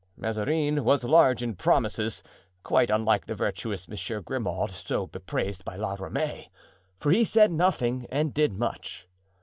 Mazarin was large in promises,—quite unlike the virtuous Monsieur Grimaud so bepraised by La Ramee; for he said nothing and did much.